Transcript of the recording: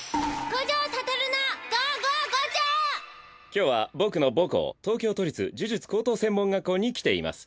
今日は僕の母校東京都立呪術高等専門学校に来ています。